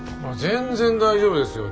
全然大丈夫ですよ！